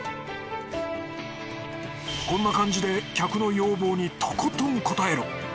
こんな感じで客の要望にトコトン応える。